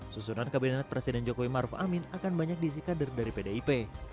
susunan kabinet presiden jokowi maruf amin akan banyak diisi kader dari pdip